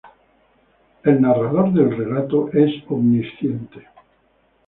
El narrador del relato es omnisciente.